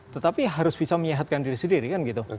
tetapi harus bisa menyehatkan diri sendiri kan gitu